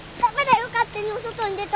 勝手にお外に出たら。